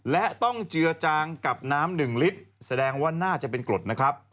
และต้องเจือจางกับน้ำหนึ่งลิตรแสดงว่าน่าจะเป็นกรดนะครับ